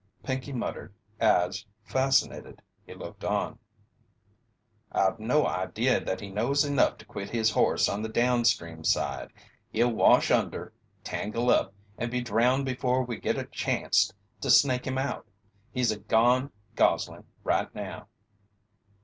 Pinkey muttered, as, fascinated, he looked on: "I've no idea that he knows enough to quit his horse on the down stream side. He'll wash under, tangle up, and be drowned before we get a chanst to snake him out. He's a gone goslin' right now."